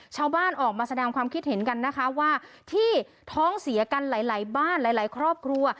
ชาวบ้านออกมาแสดงความคิดเห็นกันนะคะว่าที่ท้องเสียกันหลายบ้านหลายครอบครัว